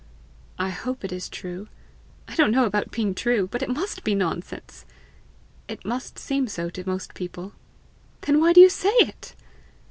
"I hope it is true." "I don't know about being true, but it must be nonsense." "It must seem so to most people." "Then why do you say it?"